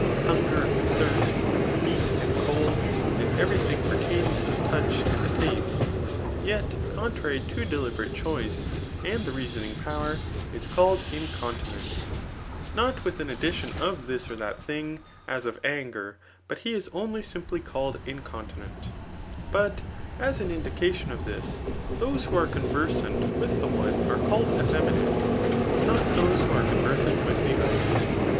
hunger and thirst, heat and cold, and every thing pertaining to the touch and the taste, yet contrary to deliberate choice and the reasomng Digitized by Google S56 THE NICOMACH£AN BOOK Til. power, is caUed incontment, not with an addition of dut or that thing, as of anger, but he is cmlj amply called incontinent. But as an indication of this, those who are conversant with the one are called eflFeminate, but not those who are conversant with the other.